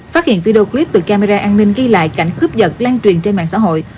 phát hiện video clip từ camera an ninh ghi lại cảnh cướp giật lan truyền trên mạng xã hội